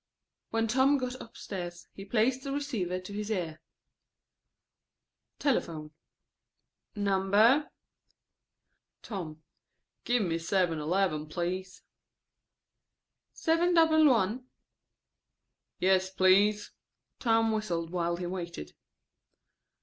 When Tom got upstairs, he placed the receiver to his ear. Telephone: ("Number?") Tom: "Give me seven eleven, please." ("Seven double one?") "Yes, please." Tom whistled while he waited.